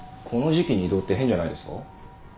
この時期に異動って変じゃないですか？